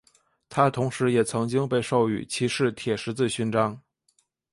他同时也曾经被授予骑士铁十字勋章。